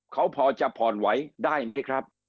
เขาพอจะผ่อนไหวได้ไหมครับ